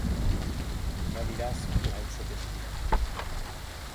No dirás falso testimonio: